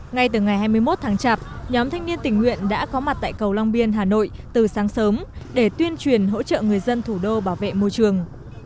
ngay từ ngày hai mươi một tháng chạp nhóm thanh niên tình nguyện đã có mặt tại cầu long biên hà nội từ sáng sớm để tuyên truyền hỗ trợ người dân thủ đô bảo vệ môi trường